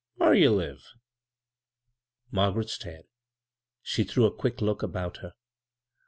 Whar ye live? " Margaret started. She threw a quick look about her.